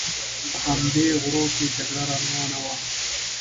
په همدې غرو کې جګړه روانه وه.